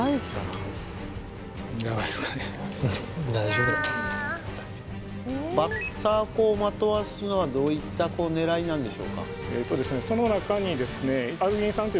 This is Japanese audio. これバッター粉をまとわすのはどういったこう狙いなんでしょうかえとですね